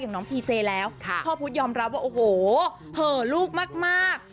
น้องพีเจแล้วพ่อพุทธยอมรับว่าโอ้โหเห่อลูกมาก